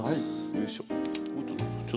よいしょ。